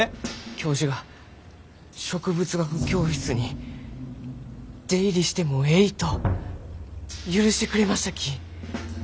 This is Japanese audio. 教授が植物学教室に出入りしてもえいと許してくれましたき。